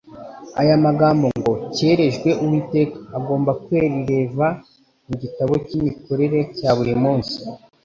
Aya magambo ngo : "cyerejwe Uwiteka" agomba kwandileva mu gitabo cy'imikorere cya buri munsi,